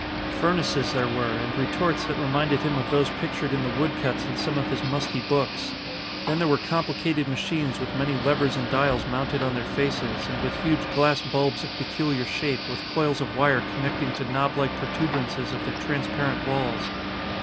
Furnaces there were, and retorts that reminded him of those pictured in the wood cuts in some of his musty books. Then there were complicated machines with many levers and dials mounted on their faces, and with huge glass bulbs of peculiar shape with coils of wire connecting to knoblike protuberances of their transparent walls.